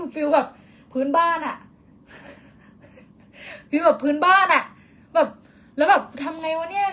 ฟิลแบบพื้นบ้านอ่ะฟิลแบบพื้นบ้านอ่ะแบบแล้วแบบทำไงวะเนี่ย